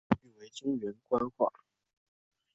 母语为中原官话。